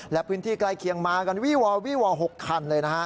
และพื้นที่ใกล้เคียงมากันวี่วอวี่ว๖คันเลยนะฮะ